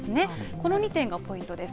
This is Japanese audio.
この２点がポイントです。